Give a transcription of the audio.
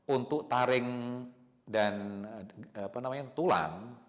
untuk taring dan tulang